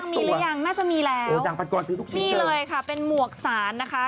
ที่ดักมีหรือยังน่าจะมีแล้วนี่เลยค่ะเป็นหมวกศาลนะคะ